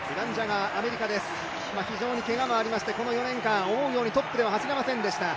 非常にけがもありまして、この４年間、思うようにトップでは走れませんでした。